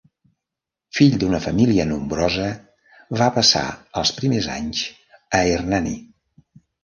Fill d'una família nombrosa, va passar els primers anys a Hernani.